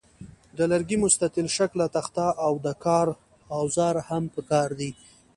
د لرګي مستطیل شکله تخته او د کار اوزار هم پکار دي.